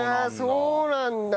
そうなんだ。